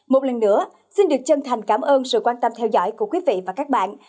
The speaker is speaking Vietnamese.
một lần nữa xin được chân thành cảm ơn sự quan tâm theo dõi của quý vị và các bạn